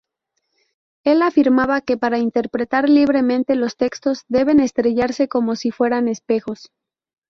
Él afirmaba que para interpretar libremente, los textos deben estrellarse como si fueran espejos.